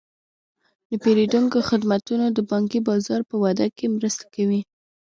د پیرودونکو خدمتونه د بانکي بازار په وده کې مرسته کوي.